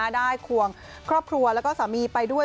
ได้ควงครอบครัวและสามีไปด้วย